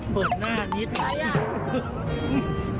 เปิดหน้านี่ใคร